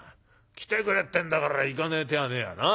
来てくれってんだから行かねえ手はねえやな。